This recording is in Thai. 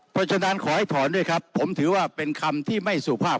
เพราะฉะนั้นขอให้ถอนด้วยครับผมถือว่าเป็นคำที่ไม่สุภาพ